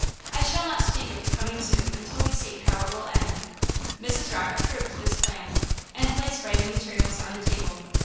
I shall not speak of the coming suit until we see how it will end." Mrs. Rocke approved this plan, and placed writing materials on the table.